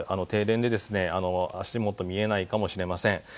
停電で、足元が見えないかもしれません。